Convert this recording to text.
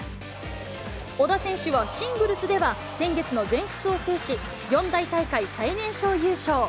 小田選手はシングルスでは、先月の全仏を制し、四大大会最年少優勝。